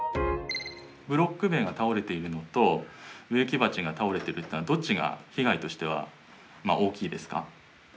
ブロック塀が倒れているのと植木鉢が倒れているのはどっちが被害としては大きいですか？